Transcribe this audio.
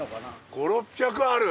５００６００ある？